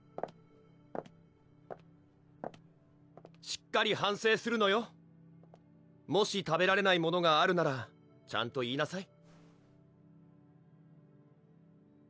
しっかり反省するのよもし食べられないものがあるならちゃんと言いなさい